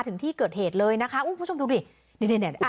ถึงที่เกิดเหตุเลยนะคะอู้ยผู้ชมดูดินี่นี่นี่อ่ะ